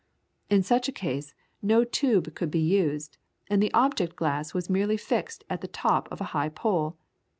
In such a case, no tube could be used, and the object glass was merely fixed at the top of a high pole.